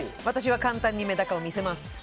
私は簡単にメダカを見せます。